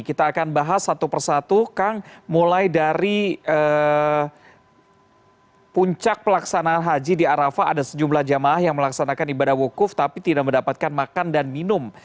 kita akan bahas satu persatu kang mulai dari puncak pelaksanaan haji di arafah ada sejumlah jamaah yang melaksanakan ibadah wukuf tapi tidak mendapatkan makan dan minum